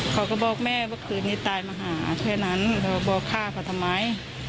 เขาก็บอกแม่ว่าคืนนี้ตายมาหาแค่นั้นเขาบอกฆ่าเขาทำไม